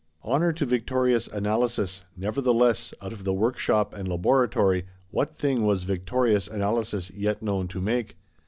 Honour to victorious Analysis; nevertheless, out of the Workshop and Laboratory, what thing was victorious Analysis yet known to make?